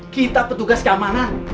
kita petugas gamana